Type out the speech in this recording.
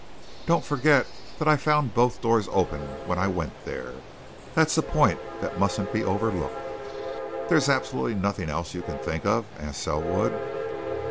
Don't forget that I found both doors open when I went there! That's a point that mustn't be overlooked." "There's absolutely nothing else you can think of?" asked Selwood.